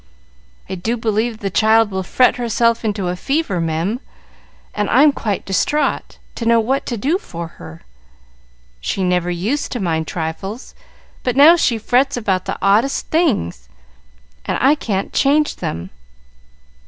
"I do believe the child will fret herself into a fever, mem, and I'm clean distraught to know what to do for her. She never used to mind trifles, but now she frets about the oddest things, and I can't change them.